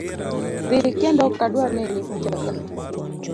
Dhi kendo okadwar neni buta ka.